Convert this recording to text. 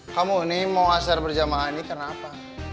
kamu ini mau asar berjamaah ini karena apa